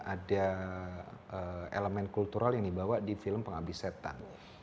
ada elemen kultural yang dibawa di film penghabis setan